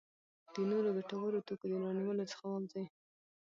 د نورو ګټورو توکو د رانیولو څخه ووځي.